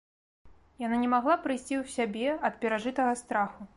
Яна не магла прыйсці ў сябе ад перажытага страху.